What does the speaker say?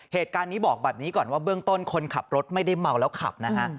เหตุการณ์นี้บอกแบบนี้ก่อนว่าเบื้องต้นคนขับรถไม่ได้เมาแล้วขับนะฮะ